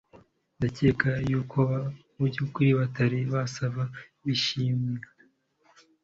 Ndakeka yuko mubyukuri batari bose bishimye